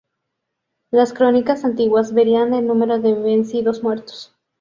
Las crónicas antiguas varían el número de vencidos muertos.